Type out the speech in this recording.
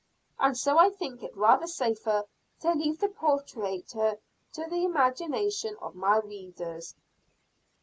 And so I think it rather safer to leave the portraiture to the imagination of my readers.